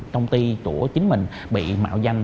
công ty của chính mình bị mạo danh